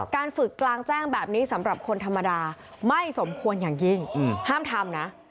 การฝึกกลางแจ้งแบบนี้สำหรับคนธรรมดาไม่สมควรอย่างยิ่งห้ามทำนะ